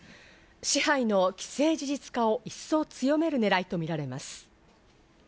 支配の既成事実化を一層強める狙いとみられます。